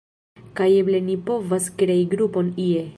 kaj eble ni povas krei grupon ie